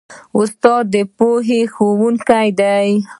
استاد د پوهې ښوونکی دی.